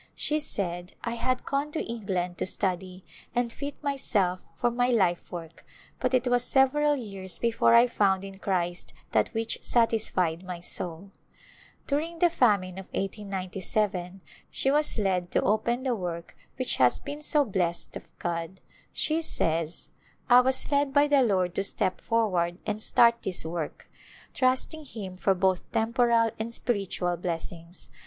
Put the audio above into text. She said, " I had gone to England to study and fit myself for my life work, but it was several years before I found in Christ that which satisfied my soul." During the famine of 1897 ^^^^^^^^^^^ ^P^" ^^ work which has been so blessed of God. She says, " I was led by the Lord to step forward and start this work, trusting Him for both temporal and spiritual blessings.